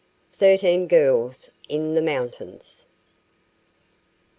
THIRTEEN GIRLS IN THE MOUNTAINS.